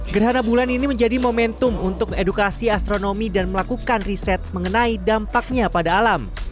gerhana bulan ini menjadi momentum untuk edukasi astronomi dan melakukan riset mengenai dampaknya pada alam